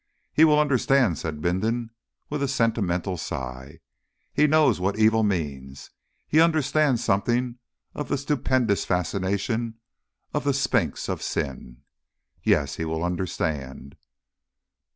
"He will understand," said Bindon with a sentimental sigh. "He knows what Evil means he understands something of the Stupendous Fascination of the Sphinx of Sin. Yes he will understand."